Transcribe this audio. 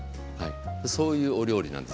そういうお料理なんです。